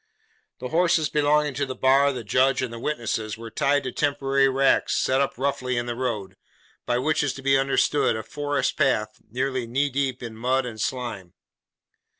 The horses belonging to the bar, the judge, and witnesses, were tied to temporary racks set up roughly in the road; by which is to be understood, a forest path, nearly knee deep in mud and slime.